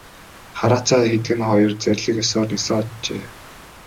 Хараацай хэдгэнэ хоёр зарлиг ёсоор нисэн оджээ.